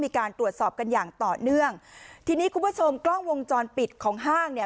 มีการตรวจสอบกันอย่างต่อเนื่องทีนี้คุณผู้ชมกล้องวงจรปิดของห้างเนี่ย